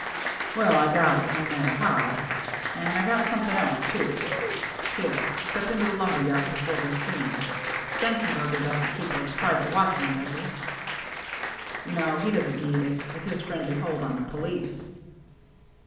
" Well, I got it. No matter how. And I got something else, too. Here, step into the lumber yard before we're seen. Stenzenber ger doesn't keep a private watchman, does he?" " No. He doesn't need it, with his friendly hold on the police."